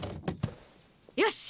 よし！